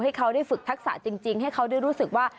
ให้เขาได้ฝึกทักษะจริงให้เขาได้รู้สึกว่า